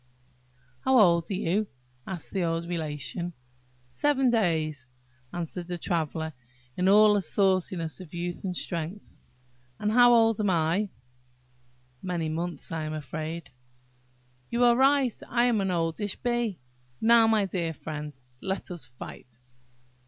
"How old are you?" asked the old Relation. "Seven days," answered the Traveller, in all the sauciness of youth and strength. "And how old am I?" "Many months, I am afraid." "You are right, I am an oldish bee. Now, my dear friend, let us fight!"